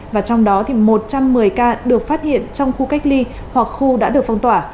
và trong đó thì một trăm một mươi ca được phát hiện trong khu cách ly hoặc khu đã được phong tỏa